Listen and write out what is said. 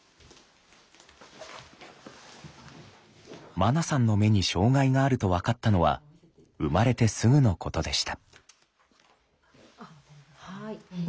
まなさんの目に障害があると分かったのは生まれてすぐのことでした。